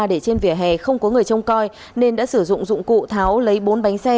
để trên vỉa hè không có người trông coi nên đã sử dụng dụng cụ tháo lấy bốn bánh xe